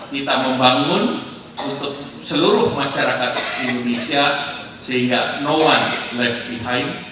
kita membangun untuk seluruh masyarakat indonesia sehingga no one les behind